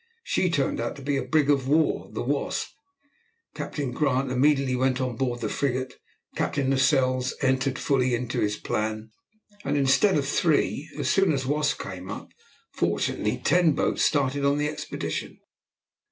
She turned out to be a brig of war, the Wasp. Captain Grant immediately went on board the frigate. Captain Lascelles entered fully into his plan, and instead of three, as soon as the Wasp came up, fortunately ten boats started on the expedition.